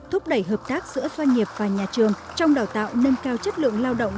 hợp tác giữa doanh nghiệp và nhà trường trong đào tạo nâng cao chất lượng lao động